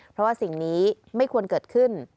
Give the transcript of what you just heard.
เพราะว่าสิ่งนี้ไม่ควรเกิดขึ้น